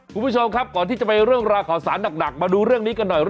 คุณผู้ชมครับก่อนที่จะไปเรื่องราวข่าวสารหนักมาดูเรื่องนี้กันหน่อย